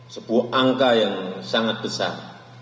sebuah angka yang sangat besar